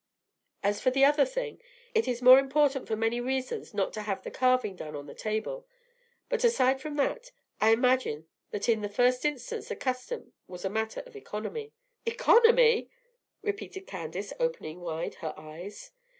As for the other thing, it is more convenient for many reasons not to have the carving done on the table; but aside from that, I imagine that in the first instance the custom was a matter of economy." "Economy!" repeated Candace, opening wide her eyes.